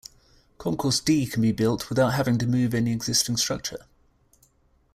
Concourse D can be built without having to move any existing structure.